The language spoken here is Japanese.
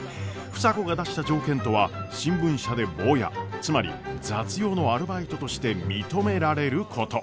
房子が出した条件とは新聞社でボーヤつまり雑用のアルバイトとして認められること。